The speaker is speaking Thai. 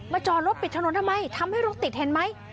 จอดรถปิดถนนทำไมทำให้รถติดเห็นไหม